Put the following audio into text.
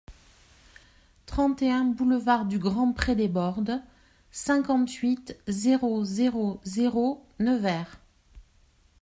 trente et un boulevard du Grand Pré des Bordes, cinquante-huit, zéro zéro zéro, Nevers